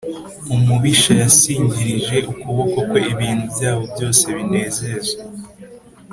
Umubisha yasingirije ukuboko kwe ibintu byaho byose binezeza,